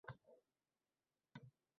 Shu payt siz yana bir buyruq berdingiz